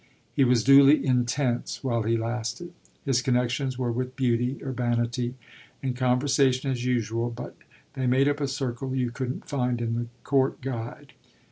He was duly "intense" while he lasted. His connexions were with beauty, urbanity and conversation, as usual, but they made up a circle you couldn't find in the Court Guide.